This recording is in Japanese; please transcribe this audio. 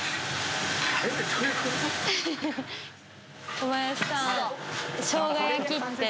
小林さん。